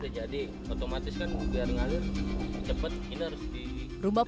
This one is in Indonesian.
mumanya masih sudah jadi otomatis kan biar mengalir cepet ini harus di